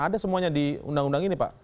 ada semuanya di undang undang ini pak